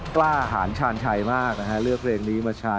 กล้าหารชาญชัยมากนะฮะเลือกเพลงนี้มาใช้